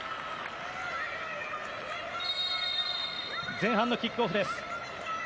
前半のキックオフです。